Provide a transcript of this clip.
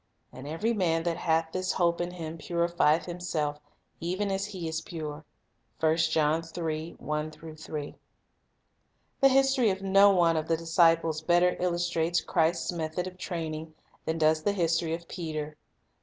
And every man that hath this hope in Him purifieth himself, even as He is pure." 1 The history of no one of the disciples better illus Peter trates Christ's method of training than does the history of Peter.